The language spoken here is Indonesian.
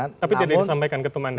tapi tidak disampaikan ketua mandat